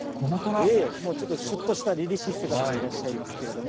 ちょっとしゅっとした、りりしい姿でいらっしゃいますけれども。